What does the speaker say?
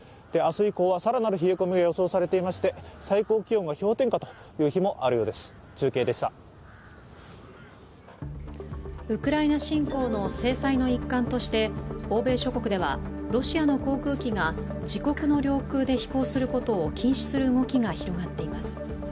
明日以降はさらなる冷え込みが予想されていまして、最高気温が氷点ウクライナ侵攻の一環として欧米諸国ではロシアの航空機が、自国の領空で飛行することを禁止する動きが広がっています。